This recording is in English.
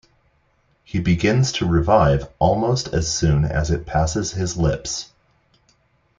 He begins to revive almost as soon as it passes his lips.